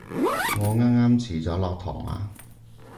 我啱啱遲咗落堂啊